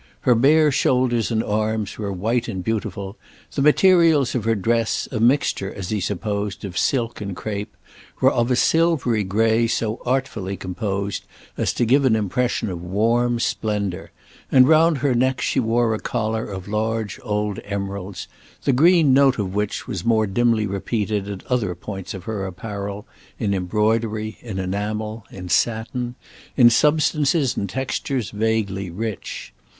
Her bare shoulders and arms were white and beautiful; the materials of her dress, a mixture, as he supposed, of silk and crape, were of a silvery grey so artfully composed as to give an impression of warm splendour; and round her neck she wore a collar of large old emeralds, the green note of which was more dimly repeated, at other points of her apparel, in embroidery, in enamel, in satin, in substances and textures vaguely rich.